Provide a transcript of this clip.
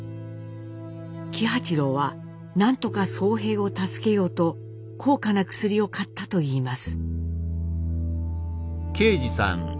喜八郎は何とか荘平を助けようと高価な薬を買ったといいます。